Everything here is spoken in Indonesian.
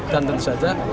dan tentu saja